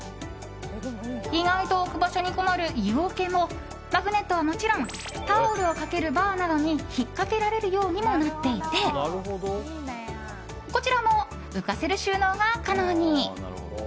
意外と置く場所に困る湯おけもマグネットはもちろんタオルをかけるバーなどに引っかけられるようにもなっていてこちらも浮かせる収納が可能に。